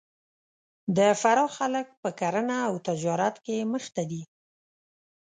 د فراه خلک په کرهنه او تجارت کې مخ ته دي